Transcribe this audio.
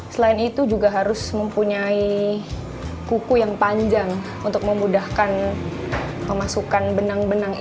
selain itu juga harus mempunyai kuku yang panjang untuk memudahkan pemasukan benang benang